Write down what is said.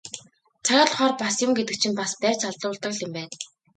Цагаа тулахаар бас юм гэдэг чинь бас барьц алдуулдаг л юм байна.